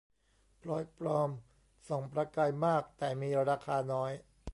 พลอยปลอมส่องประกายมากแต่มีราคาน้อย